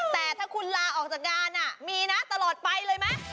แต่ถ้าคุณลาออกจากงานมีนะตลอดไปเลยไหม